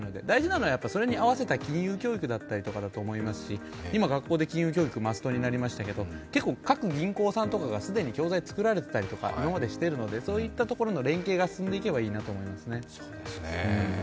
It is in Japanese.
大事なのはそれに合わせた金融教育だったりすると思いますし今、学校で金融教育がマストになりましたけれども、各銀行さんとかが既に教材作られてたりするので、そういうところの連携が進んでいけばいいなと思いますね。